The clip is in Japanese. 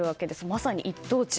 まさに一等地。